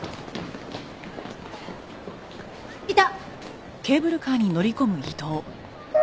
いた！